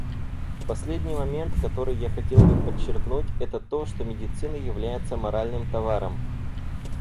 Последний момент, который я хотел бы подчеркнуть, это то, что медицина является моральным товаром.